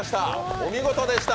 お見事でした。